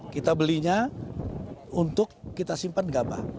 kita belinya untuk kita simpan gabah